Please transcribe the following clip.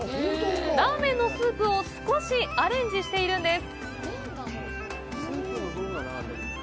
ラーメンのスープを少しアレンジしているんです。